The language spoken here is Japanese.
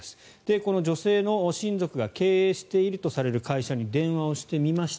この女性の親族が経営しているとされる会社に電話をしてみました。